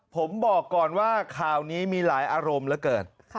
ผมบอกก่อนว่าข่าวนี้มีหลายอารมณ์เหลือเกิน